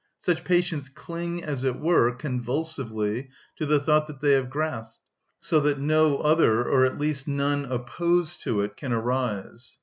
Such patients cling, as it were, convulsively to the thought they have grasped, so that no other, or at least none opposed to it, can arise.